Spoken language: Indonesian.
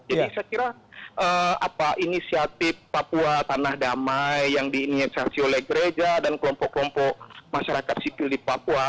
jadi saya kira inisiatif papua tanah damai yang diinisiasi oleh gereja dan kelompok kelompok masyarakat sipil di papua